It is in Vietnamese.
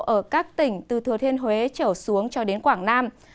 ở các tỉnh từ thừa thiên huế trở xuống cho đến quảng nam